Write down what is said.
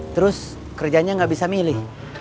terus kerjanya nggak bisa milih